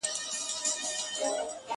ته تر اوسه لا د فیل غوږ کي بیده یې,